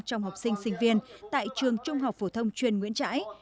trong học sinh sinh viên tại trường trung học phổ thông chuyên nguyễn trãi